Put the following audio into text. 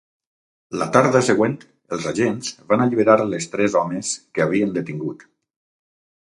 La tarda següent, els agents van alliberar les tres homes que havien detingut.